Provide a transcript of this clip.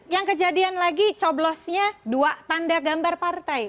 yang kejadian lagi coblosnya dua tanda gambar partai